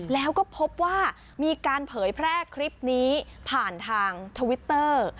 แล้วก็พบว่ามีการเผยแพร่คลิปนี้ผ่านทางทวิตเตอร์